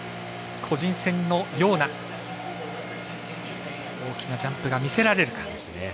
個人戦のような大きなジャンプが見せられるか。